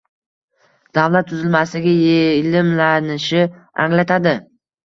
davlat tuzilmasiga yelimlanishini anglatadi.